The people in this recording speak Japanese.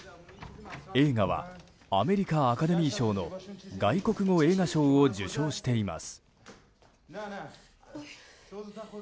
映画はアメリカアカデミー賞の外国語映画賞を受賞しています。